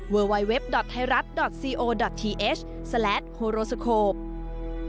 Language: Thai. เวอร์ไว้เว็บดอตไทยรัฐดอตซีโอดอตทสลัดโฮโรสโคโป